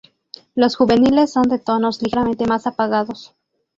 Los juveniles son de tonos ligeramente más apagados.